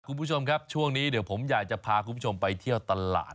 คุณผู้ชมครับช่วงนี้เดี๋ยวผมอยากจะพาคุณผู้ชมไปเที่ยวตลาด